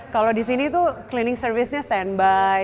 kalau di sini tuh cleaning servicenya stand by